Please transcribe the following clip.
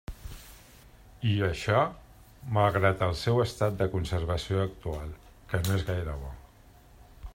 I, això, malgrat el seu estat de conservació actual, que no és gaire bo.